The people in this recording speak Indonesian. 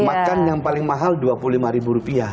makan yang paling mahal dua puluh lima ribu rupiah